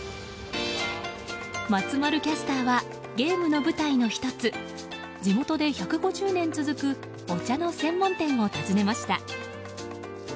松丸キャスターはゲームの舞台の１つ地元で１５０年続くお茶の専門店を訪ねました。